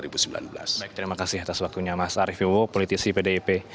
baik terima kasih atas waktunya mas arief iwo politisi pdip